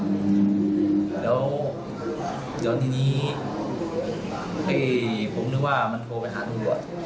แล้วเดี๋ยวทีนี้เฮ้ยผมนึกว่ามันโทรไปหาดูก่อน